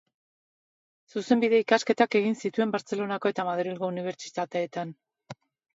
Zuzenbide-ikasketak egin zituen Bartzelonako eta Madrilgo unibertsitateetan.